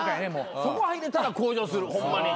そこ入れたら向上するホンマに。